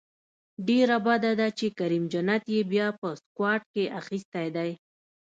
ډیره بده ده چې کریم جنت یې بیا په سکواډ کې اخیستی دی